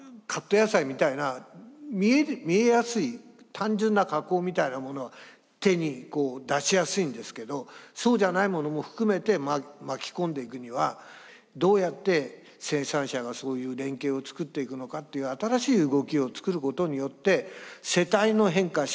カット野菜みたいな見えやすい単純な加工みたいなものは手に出しやすいんですけどそうじゃないものも含めて巻き込んでいくにはどうやって生産者がそういう連携を作っていくのかっていう新しい動きを作ることによって世帯の変化